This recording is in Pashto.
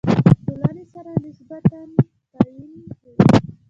ټولنې سره نسبت تعیین کوي.